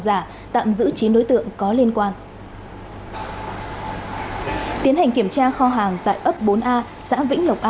giả tạm giữ chí đối tượng có liên quan khi tiến hành kiểm tra kho hàng tại ấp bốn a xã vĩnh lộc